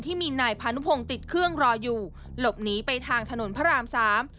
ที่มีนายพานุพงศ์ติดเครื่องรออยู่หลบหนีไปทางถนนพระรามสาม